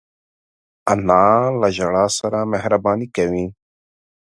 انا له ژړا سره مهربانې کوي